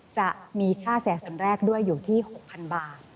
จะมีค่าเสียส่วนแรกด้วยอยู่ที่๖๐๐๐บาท